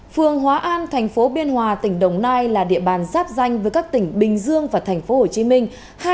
phường hóa an thành phố biên hòa tỉnh đồng nai là địa bàn giáp danh với các tỉnh bình dương và thành phố hồ chí minh